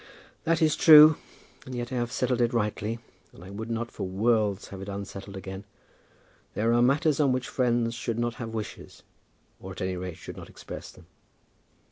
"That is true; and yet I have settled it rightly, and I would not for worlds have it unsettled again. There are matters on which friends should not have wishes, or at any rate should not express them."